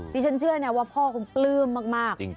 ฉันเชื่อนะว่าพ่อคงปลื้มมาก